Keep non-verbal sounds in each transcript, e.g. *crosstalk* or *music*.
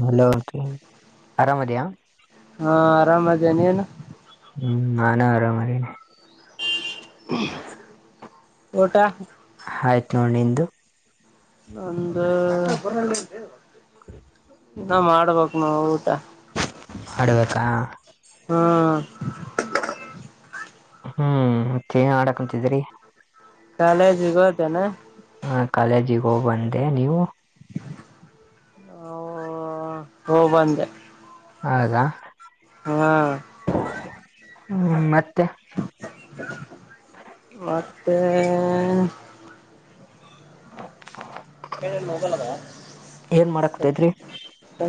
Hello aunty ಆರಾಮ ಆದಿಯ ಹಾ ಆರಾಮದೇ ನೀನು ಹ್ಮ್ ನಾನ ಆರಾಮರಿನೇ *unintelligible* *unintelligible* ಊಟ ಆಯ್ತು ನೋಡಿ ನಿಂದು ಒಂದು ಇನ್ನ ಮಾಡ್ಬೇಕು *unintelligible* ಹ ಹೌದಾ ಅಡ್ಬೇಕ *unintelligible* ಹ್ಮ್ ಹ್ಮ್ ಮತ್ತೇ ಆಡಕ್ಂತಿದ್ರಿ *unintelligible* ಕಾಲೇಜಗೆ ಹೊದೆನ *unintelligible* ಕಾಲೇಜಿಗೆ ಹೋಗಿ ಬಂದೆ ನೀವು ಹ ಹ ಅವು ಹೋಗ್ ಬಂದೆ *unintelligible* ಹೌದಾ ಹಾ ಹ್ಮ್ ಮತ್ತೆ ಮತ್ತೆ ಹ *unintelligible* ಹ ಮಾಡಕ್ ಕುಂತೈತ್ರಿ *unintelligible* ಕ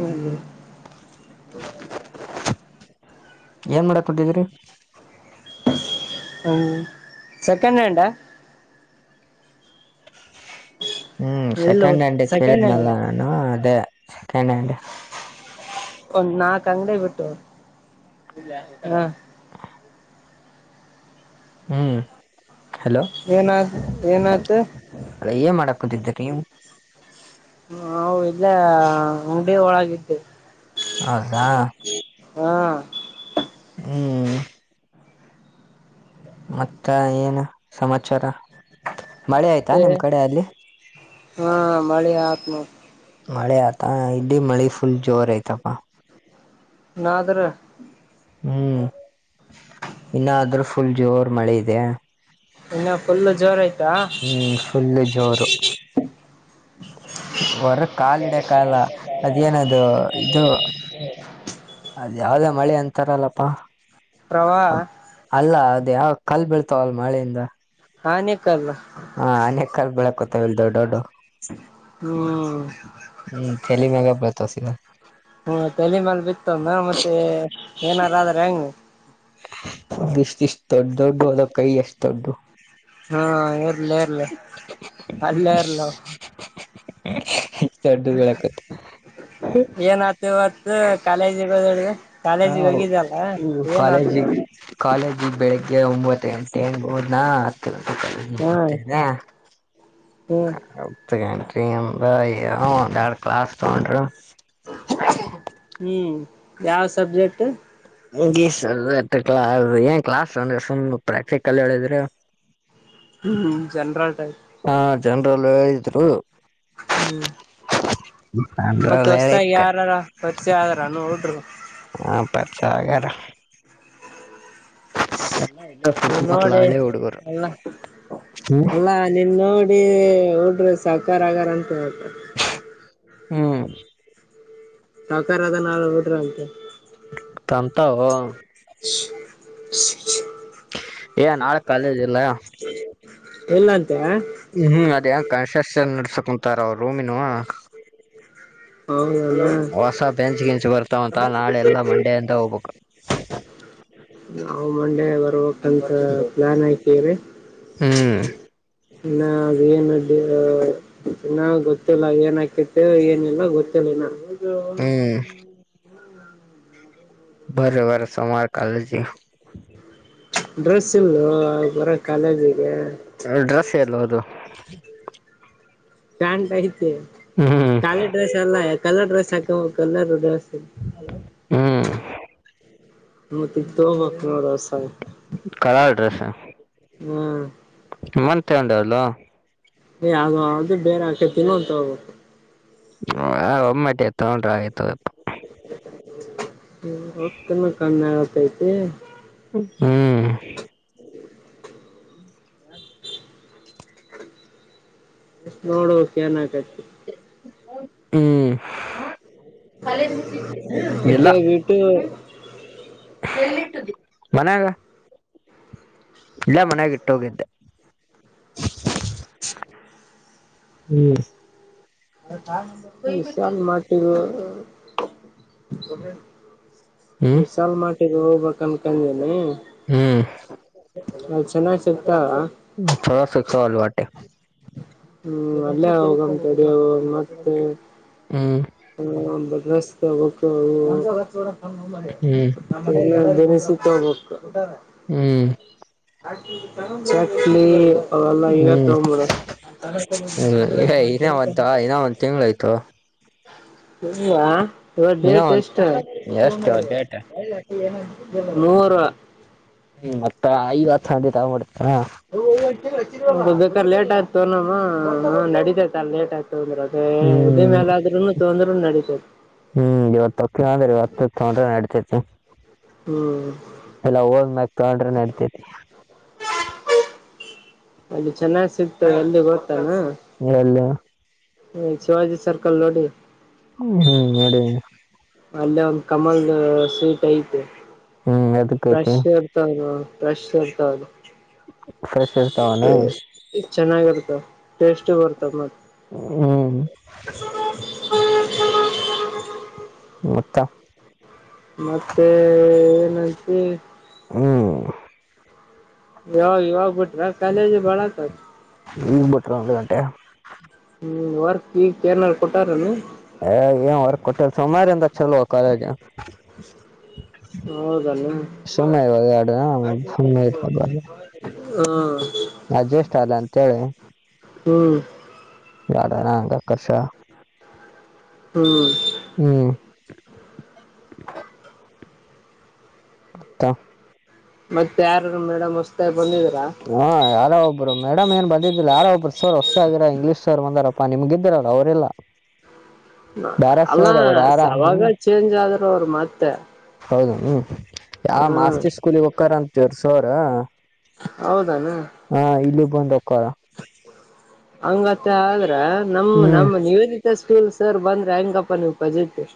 ಏನ್ ಮಾಡಕ್ ಕೊಟ್ಟಿದೀರಿ ಹ್ಮ್ ಸೆಕೆಂಡ್ ಹ್ಯಾಂಡ್ ಹ್ಮ್ ಇಲ್ಲ ಸೆಕೆಂಡ್ ಹ್ಯಾಂಡ್ ಸೆಕೆಂಡ್ ಹ್ಯಾಂಡ್ ಕೇಳಿದ್ನಲ್ಲ ನಾನು ಅದೇ ಸೆಕೆಂಡ್ ಹ್ಯಾಂಡ್ ಒಂದ್ ನಾಕ್ ಅಂಗಡಿ ಬಿಟ್ಟು ಹ ಹ್ಮ್ ಹಲೋ ಏನಾತ್ ಏನಾಯ್ತು ಅದ ಏನ್ ಮಾಡ ಕೂತಿದ್ದೆ ನೀವು ನಾವ್ ಇಲ್ಲೆ ಅಂಗಡಿ ಒಳಗಿದೀವಿ ಹೌದಾ ಹಾ ಹ್ಮ್ ಮತ್ತೆ ಏನು ಸಮಾಚಾರ ಮಳೆ ಆಯ್ತಾ ಮತ್ತೆ ನಿಮ್ ಕಡೆ ಅಲ್ಲಿ. ಹಾ ಮಳಿ ಆತ್ ನೊ ಮಳೆ ಆತಾ ಇಲ್ಲಿ ಮಳೆ ಫುಲ್ ಜೋರ್ ಐತಪ್ಪ. ನಾದ್ರ ಹ್ಮ್ ಇನ್ನ ಅದ್ರೂ ಫುಲ್ ಜೋರ್ ಮಳೆ ಇದೆ. ಇನ್ನ ಫುಲ್ ಜೋರ ಆಯ್ ಹ್ಮ್ ಪುಲ್ಲು ಜೋರು. ಹೊರಗ್ ಕಾಲ್ ಇಡಕ್ಆಗ್ಲ ಅದೇನದು ಇದು. ಅದ್ ಯಾವ್ದೋ ಮಳಿ ಅಂತಾರಲ್ಲಪ್ಪಾ ಪ್ರವಾಹ ಅಲ್ಲ ಯಾವ್ ಕಲ್ ಬೀಳ್ತಾವಲ್ ಮಳೆಯಿಂದ. ಆನಿಕಲ್ ಹಾ ಅನೆಕಲ್ ಬಿಳಕತವ್ ಇಲ್ ದೊಡ್ ಡ್ಡು ಹ್ಮ ಹ್ಮ್ ತೆಲಿ ಮ್ಯಾಗ ಬಳ್ತವ್ ಸಿದಾ. ಹ್ಮ ತಲಿಮ್ಯಾಲ್ ಬಿತ್ಅಂದ್ರ ಮತ್ತೆ ಏನಾರಾದ್ರ ಹೆಂಗ್ ಇಷ್ ಇಷ್ಟು ದೊಡ್ ದೊಡ್ಡು ಅದ ಕೈ ಅಷ್ಟು ದೊಡ್ಡು. ಹಾ ಇರ್ಲ ಇರ್ಲ ಅಲ್ಲೇ ಇರ್ಲವು ದಡ್ದು ಬೆಳಿಯಾಕ್ *unintelligible* ಇದು ಕಾಲೇಜಿಗೆ ಹೋದ್ *unintelligible* ಕಾಲೇಜಿಗೆ ಹೋಗಿದಲ್ಲ ಏನ್ ಆತ ಕಾಲೇಜಿಗೆ ಕಾಲೇಜಿಗೆ ಬೆಳಿಗ್ಗೆ ಒಂಬತ್ತು ಗಂಟೆಗ್ ಹೊದ್ನ ಹತ್ ಹತ್ದಿನ. ಹ್ಮ ಹತ್ಗಂಟಿಂಗ್ಅಂದ್ರ ಏನೂ ಒಂದ್ ಎರಡ್ ಕ್ಲಾಸ್ ತಗೊಂಡ್ರು *inaudible* ಹ್ಮ್ ಯಾವ್ ಸಬ್ಜೆಕ್ಟ್. *unintelligible* *unintelligible* ಏನ್ ಕ್ಲಾಸ್ ಅಂದ್ರೆ ಸುಮ್ಮ್ ಪ್ರಾಕ್ಟಿಕಲ್ ಹೇಳಿದ್ರೆ ಹ್ಮ್ ಜನ್ರಾಲ್ ಟ್ರೈನ್ ಜನ್ರಲ್ಲೆ ಇದ್ರು ಹ್ಮ್ ಮತ್ತ್ ಜನರಲ್ ಹೇಳಿ ಹೊಸ್ದಾಗಿ ಯಾರಾರ ಪರ್ಚಯ ಆದ್ರನು *unintelligible* ಹಾ ಪರ್ಚಯ ಆಗ್ಯರ. ನೀ ಸುತ್ತಮುತ್ತಲ ನೋಡಿ ಹಳ್ಳಿ ಹುಡುಗರು ಎಲ್ಲ ಅಲ್ಲಾ ನೀನ್ ನೋಡಿ ಹುಡ್ಗ್ರು ಸಾವ್ಕಾರ ಆಗಾರಂತ ಹ್ಮ್ ಕಲೆತರ ಅದಲ್ಲಾ *unintelligible* ಬಿಟ್ರಂತೆ ತಂತವು *inaudible* ಕಾಲೇಜಲ್ಲ ಇಲ್ಲ *unintelligible* ಹ್ಮ್ ಅದೇನ್ ಕನ್ಟ್ರಕ್ಷನ್ ನಡ್ಸ ಕುಂತಾರ ಅವ್ ರೂಮಿನವ ಹೌದಲ್ಲ ಹೊಸ ಬೆಂಚ್ ಗಿಂಚ್ ಬರ್ತಾವಂತ ನಾಳೆ ಎಲ್ಲಾ ಮಂಡೇ ಹೋಗ್ಬೇಕು. ನಾವು ಮಂಡೆ ಬರ್ಬೇಕಂದ್ರ ಪ್ಲಾನ್ ಆಕೆ ರಿ ಹ್ಮ್ ಇನ್ನ ಏನದಿಯ ಇನ್ನ ಗೊತ್ತಿಲ್ಲ ಏನ್ ಆಕೆತಿ ಏನಿಲ್ಲ ಗೊತ್ತಿಲ್ಲ ಇನ ಹ್ಮ್ ಬರ್ರಿ ಬರ್ರಿ ಸೋಮವಾರ ಕಾಲೇಜ್ಗ. ಡ್ರೆಸ್ ಇಲ್ಲೂ ಬರಕ್ ಕಾಲೇಜಿಗೆ. ಎರಡ್ಡ್ರಸ್ ಎಲ್ಹೋದ್ವು ಪ್ಯಾಂಟ್ ಐತಿ ಹ್ಮ್ ಕಾಲೇಜ್ ಡ್ರೆಸ್ ಎಲ್ಲ ಕಲರ್ ಡ್ರೆಸ್ ಹಾಕಬೇಕು *unintelligible* ಹಲೋ ಹ್ಮ್ ಮತ್ತಿಗ್ ತಗೊಬೇಕ್ ನೋಡ್ ಹೊಸ ದ್ - - ಕಲರ್ ಡ್ರೆಸ್ಸ ಹೂ. *inaudible* ಮಂತ್ ಎಂಡ್ ಅಲ್ಲೋ? *inaudible* ಅದು, ಏನೋ, ಬೇಗ, ತಿನ್ನು ಅಂತ ಹೇಳ್ಬೇಕು? *inaudible* ಹ, ಒಮ್ಮಟಿ, ತಗೊಂಡ್ರೆ ಆಗೋಯ್ತು ನೋಡಪ್ಪ? *inaudible* ಹ್ಮ, ರೊಕ್ಕನ್ನು, ಕಮ್ಮಿ, ಆಗಾಗೈತಿ! *inaudible* ಹ್ಮ್. *inaudible* ನೋಡುಬೇಕು, ಏನಿಕೈತಿ? *inaudible* ಹ್ಮ್. *inaudible* ಕಾಲೇಜು, ಹೋಗುತ್ತಿದ್ದಿ, ಇಲ್ಲ, ಅದೇ ಬಿಟ್ಟು ಎಲ್ಲಿ. *unintelligible* ಎಲ್ಲಿ, ಮನ್ಯಾಗ! *inaudible* ಇಲ್ಲ, ಮನೆಗ, ಇಟ್ಟೋಗಿದ್ದೆ! *inaudible* *unintelligible* *inaudible* ಹ್ಮ್. *inaudible* ವಿಶಾಲ, ಮಾರ್ಟಿನವರು? *unintelligible* ಹ್ಮ್ ವಿಶಲ್, ಮಾರ್ಟಿಗೆ, ಹೋಗ್ಬೇಕು ಅನ್ಕೊಂಡೆನು? *unintelligible* ಹ್ಮ್. *inaudible* ಅಲ್ಲಿ ಸುಮಾರ್ ಸಿಕ್ತಾ? *inaudible* ಹ್ಮ್ಮ್, ಚಲೋ, ಸಿಕ್ತಾವ! ಅಲ್ಲಿ, ಬಟ್ಟೆ? *inaudible* ಹ್ಮ್, ಅಲ್ಲೇ, ಹೋಗಂ, ತಡಿ, ಮತ್ತೆ? *unintelligible* ಹ್ಮ್ ಹ್ಮ್ಮ್, ಬಿಸಿನೆಸ್ ಕೊಡಬೇಕು, ಹೂ... *unintelligible* ತಗೋಬೇಕು, ಹ್ಮ್ ಊಟನ್ನಾ? *unintelligible* ಹ್ಮ್. *unintelligible* ಚಕ್ಲಿ, ಅವೆಲ್ಲ, ಇಲ್ಲೆ ತಗೊಂಡ್ಬಿಡು? *unintelligible* ಹ್ಮ್, ಹೀರೋ, ಮತ್ತು, ನಿನ್ನ ಒಂದು, ತಿಂಗಳಾಯತೋ? *inaudible* ಹೇಳಿಯ, ಇನ್ನ ಒಂದ ಪೆಡಿಪೇಸ್ಟು... ಎಷ್ಟ ಡೇಟ್ *unintelligible* ಏನಾಯ್ತು, ನೂರು! *unintelligible* ಹ್ಮ್, ಮತ್ತ, ಐವತ್ತು, ಹಂದಿ, ತಾಕೊಂಡುಬಿಡು... *inaudible* ಬೇಕಾದ್ರ, ಲೇಟ್ ಆಯ್ತು ನಮ್ಮ ತಕೊಂಡು ನೋಡು, ಲೇಟ್ ಆಯತ! *unintelligible* ತಗೊಂಡ್ರುನು, ಅದೇ ಇದೇ ಹ್ಮ್ ಮೇಾಲ ಆದ್ರೂನೂ ತಗೊಂಡ್ರೂನು, ನಡತದೆ? *inaudible* ಅದು, ನಾಡಿತಾತೀಯತೇ? *inaudible* ಹ್ಮ್. *inaudible* ಎಲ್ಲ, ಅವನ ಕಂಡ್ರೆ, ನಡ್ತೇತಿ? *unintelligible* ಅಲ್ಲಿ ಚೆನ್ನಾಗಿ, ಸಿಗ್ತದೆ ಅಲ್ಲಿ, ಹೋಗು. *unintelligible* ಹೂ, ಹೇಳೋ? *unintelligible* ಹ್ಮ, ಶಿವಾಜಿ ಸರ್ಕಲ್ ನೋಡಿ. *inaudible* ಹ್ಮ್, ಹ್ಮ್, ನೋಡನ. *inaudible* ಅಲ್ಲೇ, ಒಂದ್, ಕಮಲ್ದ ಸ್ವೀಟ್ ಐತೆ ಹ್ಮ್ ಅದಕ್ಕೈತಿ ಫ್ರೆಶ್ ಇರ್ತದ. *unintelligible* ಫ್ರೆಶ್, ಇಸಿಕೊಅದು! *inaudible* ಪ್ರೆಶ್, ಇರ್ತವೇನ? *inaudible* ಚೆನ್ನಾಗಿರ್ತಾವ, ಟೇಸ್ಟ್, ಬರ್ತಾವ ಮತ್ತ! ಹ್ಮ್ *unintelligible* *unintelligible* *inaudible* ಮತ್ತಾ? *inaudible* ಮತ್ತೆ ಏನಾಯಿತಿ? *inaudible* ಹುಂ. *inaudible* ಯಾವಾಗ ಇವಾಗ, ಡ್ರಾ ಚೇಂಜ್ ಆಗಿದೆ ಬೋನಸ್? *inaudible* ನಿನ್ನು ಬಿಟ್ರಾ, ಒಂದು ಗಂಟೆ? *unintelligible* ವರ್ಕ್ ಗಿರ್ಕು ಏನಾರ ಕೊಟ್ಟರೇನ? *inaudible* ಹಾ, ಅದೇ, ಏನ, ವರ್ಕ್, ಕೊಟ್ಟವರೇ, ಸೋಮವಾರದಿಂದ ಚಲೋ ಕಾಲೇಜ್? *inaudible* ಹೌದಲ್ವಾ, ಹ್ಮ್ಮ್. ಸುಮ್ಮನೆ ಇವಾಗ ಎರಡು ಸುಮ್ಮನೆ ಇರ್ಲ *unintelligible* ಅಡ್ಜಸ್ಟ್ ಅಲ್ಲ ಅಂತೇಳಿ ಹ್ಮ್. *inaudible* ಗಾರ್ಡನಾ ಹಂಗ ಅಕರ್ಷ ಹೂ ಹ್ಮ್ ಮತ್ತ ಮತ್ತ ಯಾರ ಮೇಡಮ್ ಹೊಸ್ತ ಹಾ ಯಾರೋ ಒಬ್ರು ಮೇಡಮ್ ಏನ್ ಬಂದಿದಿದ್ದಿಲ್ಲ ಯಾರ ಒಬ್ರು ಸರ್ ಹೊಸ ಆಗರಾರ ಇಂಗ್ಲೀಷ್ ಸರ್ ಬಂದಾರ ನಿಮ್ಗೆ ಇರಲ ಅವ್ರು ಇಲ್ಲ ಅಲ್ಲಾ ಸಾವಾಗ ಚೇಂಜ್ ಆದರು ಅವ್ರು ಮತ್ತೆ ಹೌದ ಹ ಯಾವ ಹ್ಮ್ ಮಾಸ್ತಿ ಸ್ಕೂಲಿಗೆ ಹೋಗ್ತಾರಂತ ಸರ್ ರು ಹೌದು ಹಾ ಇಲ್ಲಿ ಬಂದ್ ಒಕ್ಕಾರ ಹಂಗತ್ತ ಆದ್ರ ನಮ್ಮ ಹ್ಮ್ ನಮ್ಮ ನಿವೇದ ಮ ಸ್ಕೂಲ್ ಸರ್ ಬಂದ್ರ ಹಂಗಪ್ಪ ನೀವು ಪ ಜಿತ್ ಅ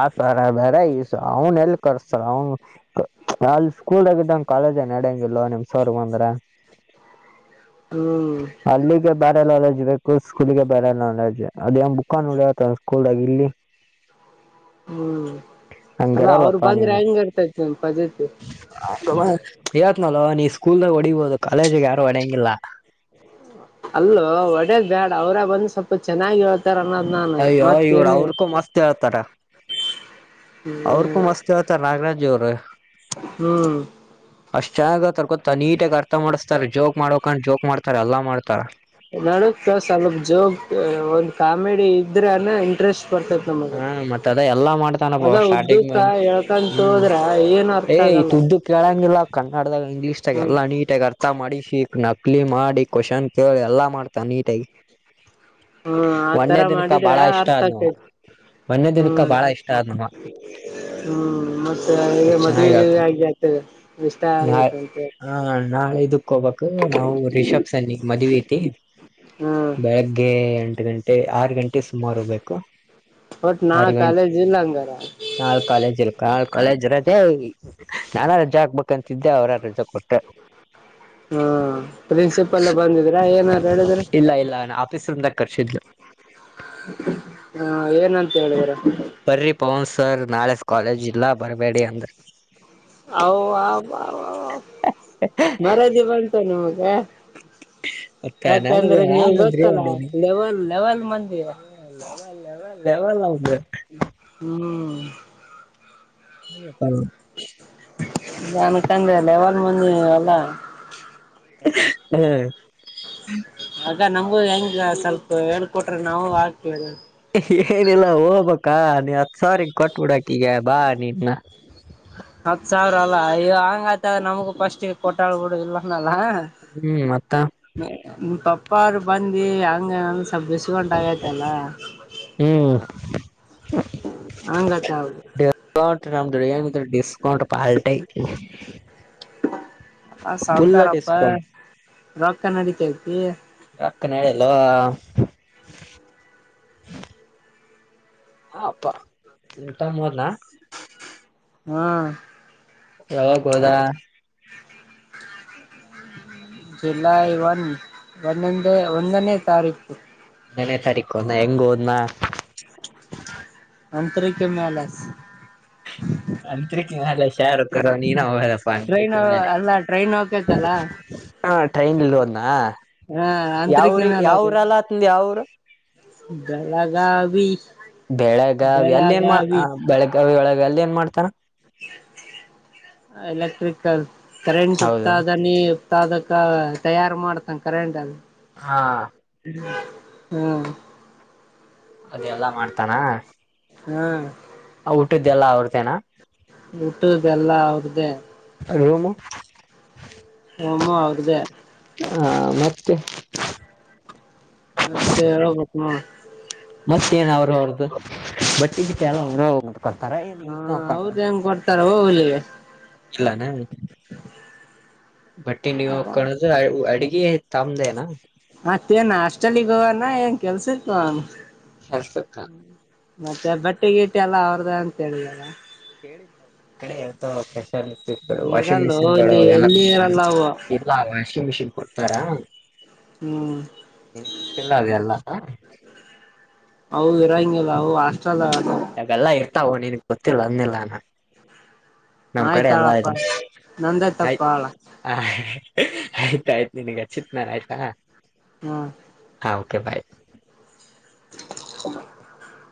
ಆ ತರ ಬೇಡ ಈ ಅವನ್ ಎಲ್ ಕರ್ಸ್ತ ಅವನ್ ದಾಗಿದ್ದಂಗ ಕಾಲೇಜ ನಡಂಗ ಇಲ್ವಾ ನಿಮ್ಸರ್ ಬಂದ್ರ ಹೂ ಬೇ ನಾಲೇಜ್ ಬೇಕು ಸ್ಕೂಲ್ಗೆ ಬೇರೆ ನಾಲೆಜ್ ಅದೇ್ ಬುಕ್ ನಡ ಸ್ಕೂಲ್ಾಗ ಇಲ್ಲಿ ಹೂ ಹಂಗರಲ್ಲಪ್ಪಾ ನೀವು ಪಜತಿ ಹೇಳ್ನಿ ಅ ನೀ ಸ್ಕೂಲ್ದಾಗ ಹೊಡಿಬಹುದು ಕಾಲೇಜಿಗೆ ಯಾರು ಹೊಡ್ಯಂಗಿಲ್ಲ ಅಲ್ಲ ಒಡೆಯದು ಬ್ಯಾಡ ಅವರ ಬಂದು ಸ್ವಲ್ಪ ಚೆನ್ನಾಗಿ ಅನ್ನೋದ್ ನಾನು ಅಯ್ಯೋ ಇವ್ರು ಮತ್ತೇನ ಅವ್ರಕೂ ಮಸ್ತ್ ಹೇಳ್ತಾರ ಅವ್ರು ಕು ಮಸ್ತ್ ಹೇಳ್ತಾರಾ ನಾಗರಾಜ ಇವ್ರು ಹ್ಮ್ ಅಷ್ಟ ಚೆನ್ನಾಗ ಹೇಳ್ತಾರಾ ಕರ್ಕೊತಾ ನೀಟಾಗ ಅರ್ಥ ಮಾಡಸ್ ತ ಜೋಗಕ್ ಮಾಡೋಕಂಡ ಜೋಗ ಮಾಡ್ತಾರ ಎಲ್ಲಾ ಮಾಡ್ತಾರ ನಡಕ್ ಸ್ವಲ್ಪ ಜೋಕ್ ಒಂದ್ ಕಾಮಿಡಿ ಇದ್ರೆ ಅನ್ನ ಇಂಟ್ರೆಸ್ಟ್ ಬರ್ತೈತಿ ನಮಗ ಹಾ ಮತ್ತ ಅದ ಎಲ್ಲಾ ಮಾಡ್ತಾನಪ್ಪ ಅದ ಸ್ಟಾರ್ಟಿಂಗ್ ಉದ್ಯಕ್ಕ ಹೇಳ್ಕಂತ ಹೋದ್ರೆ ಏನ್ ಅರ್ಥ ಈ ಆಗಲ್ಲ ಉದಕೆಲಾ ಕೇಳಂಗಿಲ್ಲ ಕನ್ನಡದಾಗ ಇಂಗ್ಲೀಷ್್ದಾಗ ಹ್ಮ ಎಲ್ಲಾ ನೀಟಾಗಿಿ ಅರ್ಥ ಮಾಡಿ ಸಿ ನಕ್ಲಿ ಮಾಡಿ ಕ್ವೆಶ್ಚನ್ ಕೇಳಿ ಎಲ್ಲಾ ಮಾಡ್ತಾ ನೀಟಾಗಿಿ ಹೂ ಆತರ ಮಾಡಿದ್ರೆ ಅರ್ಥ ಆದ್ನವ ಆಗ್ತೈತಿ ಒಂದೇ ಹೂ ದಿನಕ್ಕ ಬಾಳ ಇಷ್ಟ ಆದ್ನವ ಹೂ ಮತ್ತೆ ಅಷ್ಟ್ ಚೆನ್ನಾಗಿ ಮದುವೆ ಹೇಳ್ತಾನ ಆಗಿ ಆಗ್ತದೆ ಇಷ್ಟ ನಾಳ ಆಗತ ಅಂತ ಹ ನಾಳೆ ಇದಕ್ ಹೋಗ್ಬೇಕ್ ನಾವು ರಿಷಬ್ ಸನ್ ಈಗ್ ಮದುವೆ ಹ್ಮ್ ಬೆಳಗ್ಗೆ ಎಂಟು ಗಂಟೆ ಆರು ಗಂಟೆ ಸುಮಾರು ಹೋಗಬೇಕು ಒಟ್ ನಾ ಆರ್ ಗಂಟ ಕಾಲೇಜ್ ಇಲ್ಲ ಹಂಗಾರ ನಾಳೆ ಕಾಲೇಜ್ ಇ ನಾಲ್ ಕಾಲೇಜ್ರದ ನಾನಾ ರಜಾ ಹಾಕ್ಬೇಕಂತಿದ್ದೆ ಅವ್ರ ರಜಾ ಕೊಟ್ಟ ಹಾ ಪ್ರಿನ್ಸಿಪಲ್ ಬಂದಿದೀ್ರಾ ಏನಾರು ಹೇಳಿದ್ರ ಕಾರ್ಸಿಡ್ಲು ಹ ಏನಂತ ಹೇಳಿದರ ಬರ್ರಿ ಪವನ್ ಸರ್ ನಾಳೆ ಕಾಲೇಜ್ ಇಲ್ಲ ಬರ್ಬೇಡಿ ಅಂದ್ರೆ ಓ ಅವ್ವ ಅಬ್ಬಾ ಅಬ್ಬಾ ಮರ್ಯಾದಿ ಇಲ್ಲ ಅಂತ ನಮಗ ಮತ್ತ ನನಗ ಯಾಕಂದ್ರೆ ನೀವು ನಾನ್ ಗೊತ್ತಲ್ಲ ಲೆವಲ್ ಲೆವೆಲ್ ಮಂದಿ ಹ ಲೇವೇವ ಲೇವ ನಾವ್ದ ಹೂ ಹರಿಪ್ಪ ನಾನ್ ಅನ್ಕೊಂಡೆ ಲೆವೆಲ್ ಮಂದಿ ನೀವೆಲ್ಲ *inaudible* ಹಾ್ *inaudible* ಆ ನಮಗು ಹೆಂಗ ಸ್ವಲ್ಪ ಹೇಳ *inaudible* ಏನಿಲ್ಲ ಓ ಪ ಕ ನೀ ಹತ್ತೂ ಸಾವಿರ ಕೊಟ್ಟು ಬಿಡು ಅಕಿಗೆ ಬಾ ನಿನ್ನ ಹತ್ ಸಾವಿರ ಅಾ ಇಯ ಹಂಗ ಆಯತಾಗ ನಮಗೂ ಫಸ್ಟ್ಿಗೆ ಕೊಟ್ಟಾಬ ಬಿಡುದಿಲ್ಲ. ಹ್ಮ್ ಮತ್ತ ಪಪ್ಪ ಅವರು ಬಂದಿ ಹಂಗ. ಸಬ್ಯಸ ಉಟಾಗತಲ್ಲ ಹ್ಮ್ *inaudible* ಹಂಗತ್ತ ಹೌದು. ಡಿಸ್ಕೌಂಟ್ ನಮ್ದ ಡಿಸ್ಕೌಂಟ್ ಪಲ್ಟೈ. ಹ ಸಾವಕಾರಪ್ಪ ರೊಕ್ಕ ನಡತತಿ. ಕನಡಲ್ಲ *inaudible* ಹಾಪ್ಪಾ ಉಟ ಹೋದ್ನಾ. ಹ್ಮ್. ಯಾವಾಗಾಗದಾ *inaudible* ಜುಲೈ ಒನ್ ಒಂದೊಂದೇ ಒಂದನೇ ತಾರೀಕು. ನನ ತಾರಕ ಎಂಗ ಹದಮ. ಅಂಂತರಿಕ್ಕೆ ಮಲೆ. ಅತ್ರಿ ನ. ಾರಕ್ಕ ನೀನು ಅವದಪ್ಪ ಅಂತ ಟ್ರೈನ್ ಕೇಲೆ ಅಲ್ಲ ಟ್ರೈನ್ ಹೋಗಕೈತಲ್ಲ ಹ ಟ್ರೈನ್ ಇಲ್. ಹಾ ಆಂತರಿಕನಲ *inaudible* ಯಾವ್ರಲ್ಲ ಅತಂದ ಯಾವ್ರ ಬೆಲಗ ಬೆಳಗಾವ ಅಲ್ಲಿ ಏನ್ ಮಾಡ ಬೆಳಗಾವಿ ಒಳಗ ಅಲ್ಲಿ ಏನ್ ಮಾಡ್ತಾರ. ಎಲೆಕ್ಟ್ರಿಕಲ್ ಕರೆಂಟ್ ಹೌದು ಹೋಗತಾ ಅದ ನೀ. ಮ ಅದಕ್ಕ ತಯಾರು ಮಾಡ್ತಂಗ ಕರೆಂಟ್ ಅದು. ಹಾ. ಹ್ಮ್. ಅದೆಲ್ಲಾ ಮಾಡ್ತಾನ. ಹ್ಮ. ಊಟಿದ್ದೆಲ್ಲ ಅವ್ರತೇನಾ. ಊಟ ಬೆಲ್ಲ ಅವ್ರ್ದೇ. *unintelligible* ರೂಮು ಅವ್ರ್ದೆ. ಹಾ ಮತ್ತೆ *inaudible* ಮತ್ತೆೋಗಬೇಕ. ಮತ್ತ ಏನ್ ಅವರು ಅವ್ರದ್ದು ಬಟ್ಟಿ. ತಾರ ಏ ನೀ ಹ ವಿತ್ತು ಅವ್ರ ನ ಹೆಂಗ್ ಕೊಡ್ತಾರ ಹೋಗ್ಲಿಗೆ *inaudible* ಇಲ್ಲಾನ. *inaudible* ಬಟ್ಟಿ ನೀವು ಕದ್ರ ಅಡ್ಗೆ ತಂಬ್ದೇನಾ. ೇನ್ ಹಾಸ್ಟೆಲಿಗನಾ ಏನ್ ಕೆಲ್ಸಿಕ. ಕೆಲ್ಸಕ್ಕ *inaudible* ಮತ್ತೆ ಬಟ್ಟೆ ಗೀಟ ಎಲ್ಲ ಅವ್ರ್ದ ಅಂತ ಹೇಳಿದಲ್ಲ. ಕ ಒ ಕಡೆ ಹೇಳ್ತಾವ ಪ್ರೆಷರ್ ಮ ವಾಷಿಂಗ್ ಇರಲ್ಲ ಮಿಷಿನ್ ಗಳು ಇಲ್ಲಿ ಎಲ್ಲ ಎಲ್ಲಿ ಕೊಡ್ತಾರೆ. ಇರಲ್ಲ ಅವು ಇಲ್ಲ ವಾಷಿಂಗ್ ಮಿಷಿನ್ ಕೊಡ್ತಾರ *inaudible* ಹ್ಮ್ ನನ್ ಗತ್ತಿಲ್ಲ ಅದೆಲ್ಲ. ಹ. ಅವು ಇರಂಗಲ್ಲ ಅವು ಹಷ್ಟಟಲ್ಲ. ಯಾಗಲ್ಲಾ ಇರ್ತಾವೋ ನೀನ್ ಗೊತ್ತಿಲ್ಲ ಅಂದಿಲ್ಲಾನ. ನಮ್ ಕಡೆ ಎಲ್ಲ ಆಯ್ತಾಳಪ್ಪ ಆಯತಯ್. ನಂದೇ ತಪ್ಪಾಳ ಆಯ್ತಾಯ್ತು ನಿಿನಗೆಚ್ಚಿತ್ನಾರ ಆಯ್ತಾ. ಹ್ಮ. ಹಾ ಓಕೆ ಬಾಯ್. *unintelligible*